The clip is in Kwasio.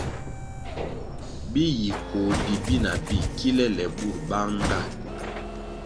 Bi yi koh di bina bi kilè lè burʼ banʼnga.